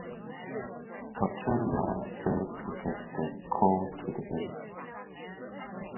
A tramline was built to get the coal to the village.